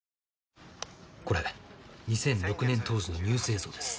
これ２００６年当時のニュース映像です。